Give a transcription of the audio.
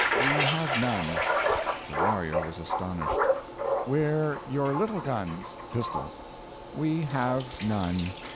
"We have none." The warrior was astonished. "Where your little guns?" (pistols). "We have none."